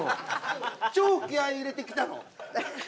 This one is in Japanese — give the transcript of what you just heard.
超気合入れてきたの。